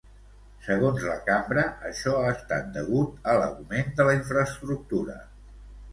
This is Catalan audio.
Segons la Cambra, això ha estat degut a l'augment de la infraestructura.